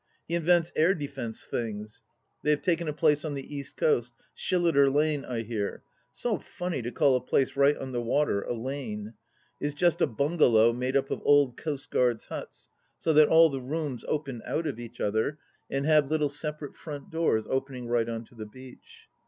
He invents air defence things. They have taken a place on the East Coast. Shilliter Lane, I hear — so funny to call a place right on the water, a lane 1 — is just a bungalow made up of old coast guards' huts, so that all the rooms open out of each other, and have little separate front doors opening right on to the beach.